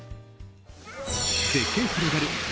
絶景広がる